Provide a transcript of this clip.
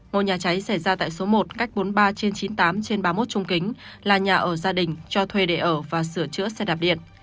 ngôi nhà cháy xảy ra tại số một cách bốn mươi ba trên chín mươi tám trên ba mươi một trung kính là nhà ở gia đình cho thuê để ở và sửa chữa xe đạp điện